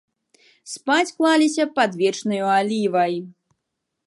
Спаць клаліся пад вечнаю алівай.